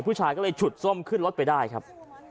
ผู้ชายก็เลยฉุดส้มขึ้นรถไปได้ครับ